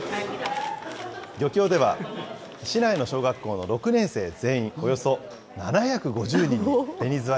漁協では市内の小学校の６年生全員およそ７５０人にベニズワ